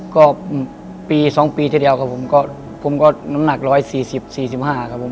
ก็ปี๒ปีทีเดียวครับผมก็น้ำหนัก๑๔๐๔๕ครับผม